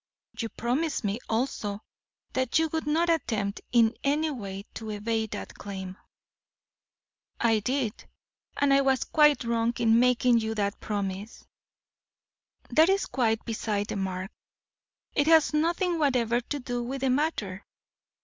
"You promised me, also, that you would not attempt in any way to evade that claim." "I did, and I was quite wrong in making you that promise." "That is quite beside the mark; it has nothing whatever to do with the matter.